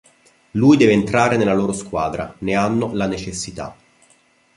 Lui deve entrare nella loro squadra, ne hanno la necessità.